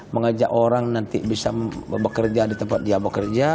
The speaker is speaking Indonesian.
mengajak orang nanti bisa bekerja di tempat dia bekerja